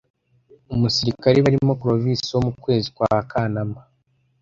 Umusirikare barimo Clovis wo mu kwezi kwa Kanama